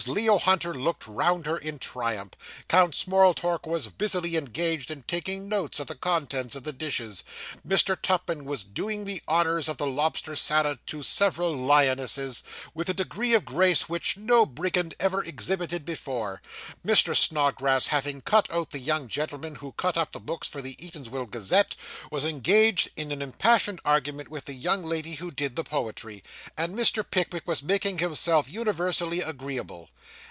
Leo Hunter looked round her in triumph. Count Smorltork was busily engaged in taking notes of the contents of the dishes; Mr. Tupman was doing the honours of the lobster salad to several lionesses, with a degree of grace which no brigand ever exhibited before; Mr. Snodgrass having cut out the young gentleman who cut up the books for the Eatanswill Gazette, was engaged in an impassioned argument with the young lady who did the poetry; and Mr. Pickwick was making himself universally agreeable.